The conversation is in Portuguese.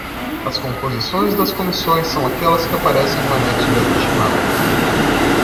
As composições das comissões são aquelas que aparecem no anexo desta chamada.